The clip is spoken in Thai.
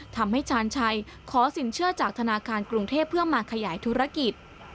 ชาญชัยขอสินเชื่อจากธนาคารกรุงเทพเพื่อมาขยายธุรกิจ